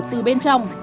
từ bên trong